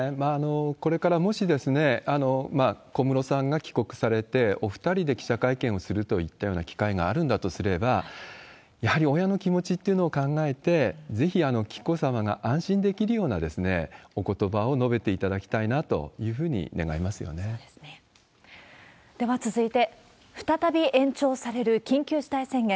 これからもしですね、小室さんが帰国されて、お２人で記者会見をするといったような機会があるんだとすれば、やはり親の気持ちっていうのを考えて、ぜひ紀子さまが安心できるようなおことばを述べていただきたいなでは続いて、再び延長される緊急事態宣言。